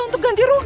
untuk ganti rugi